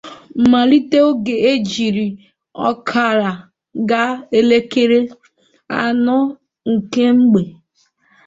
malite oge o jiri ọkara gaa elekere anọ nke mgbe